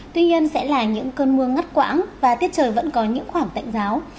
tuy nhiên sẽ là những cơn mưa ngắt quãng và tiết trời vẫn có những khoảng tạnh giáo